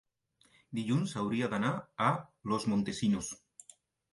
Dilluns hauria d'anar a Los Montesinos.